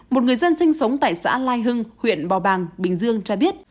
một người dân sinh sống tại xã lai hưng huyện bò bàng bình dương cho biết